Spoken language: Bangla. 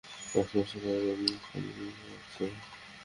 পোস্টমাস্টারের বাড়িতে মুখাগ্নি আছে।